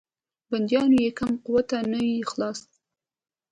بندیوان یې کم قوته نه یې خلاص.